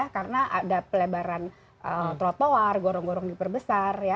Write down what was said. karena ada pelebaran trotoar gorong gorong diperbesar